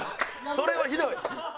それはひどい。